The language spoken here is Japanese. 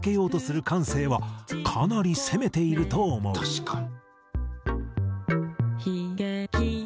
確かに。